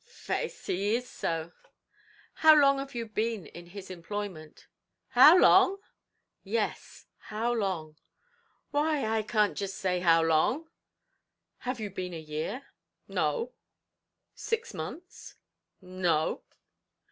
"Faix, he is so." "How long have you been in his employment?" "How long!" "Yes, how long?" "Why, I can't jist say how long." "Have you been a year?" "No." "Six months?" "No."